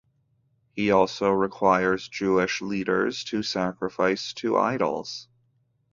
He also requires Jewish leaders to sacrifice to idols.